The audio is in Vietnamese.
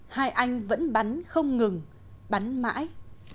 hai anh vẫn bắn không ngừng bắn mãi